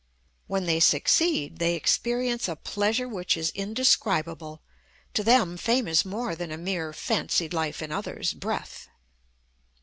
When they succeed, they experience a pleasure which is indescribable; to them fame is more than a mere "fancied life in others' breath."